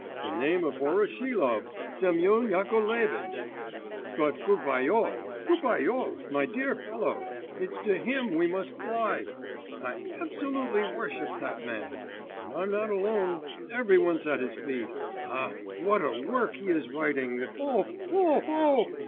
The name of Voroshilov, Semyon Yakovlevitch! But, Gubaryov, Gubaryov, my dear fellow! It's to him we must fly! I absolutely worship that man! And I'm not alone, every one's at his feet! Ah, what a work he is writing, O O O!...